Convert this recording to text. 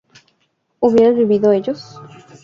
¿hubieran vivido ellos?